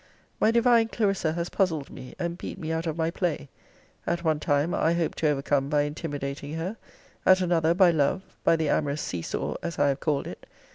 My divine Clarissa has puzzled me, and beat me out of my play: at one time, I hope to overcome by intimidating her; at another, by love; by the amorous see saw, as I have called it.